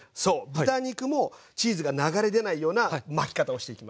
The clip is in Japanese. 豚肉もチーズが流れ出ないような巻き方をしていきます。